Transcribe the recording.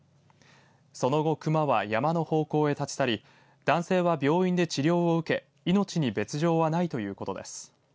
その後、熊は山の方向へ立ち去り男性は病院で治療を受け命に別状はないということです。